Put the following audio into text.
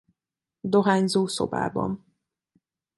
Dohányzó szobában.